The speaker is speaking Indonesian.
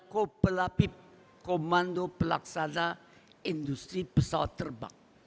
kopelapip komando pelaksana industri pesawat terbang